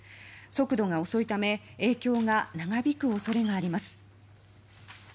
速度が遅いため影響が長引く恐れがあります。